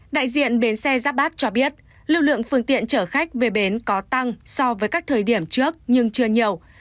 đại diện bến xe giáp bát cho biết lưu lượng phương tiện chở khách về bến có tăng so với các thời điểm trước nhưng chưa nhiều